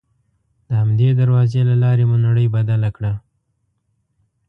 د همدې دروازې له لارې مو نړۍ بدله کړه.